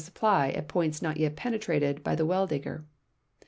suppl v at points not yet penetrated l^y the well digger.